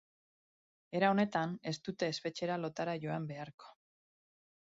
Era honetan, ez dute espetxera lotara joan beharko.